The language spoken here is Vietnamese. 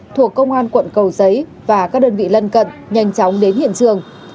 thuộc công an quận cầu giấy và các đơn vị lân cận nhanh chóng đến hiện trường